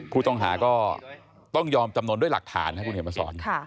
ผู้ต้องหาก็ต้องยอมจำนวนด้วยหลักฐานครับคุณเห็นมาสอน